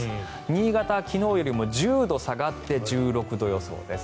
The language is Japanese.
新潟は昨日よりも１０度下がって１６度予想です。